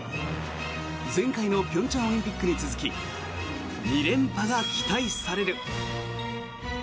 前回の平昌オリンピックに続き２連覇が期待される。